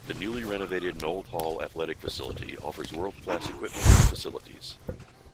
The newly renovated Nold Hall athletic facility offers world-class equipment and facilities.